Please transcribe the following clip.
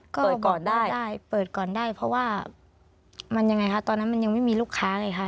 ก็บอกได้เปิดก่อนได้เพราะว่ามันยังไงค่ะตอนนั้นมันยังไม่มีลูกค้าไงค่ะ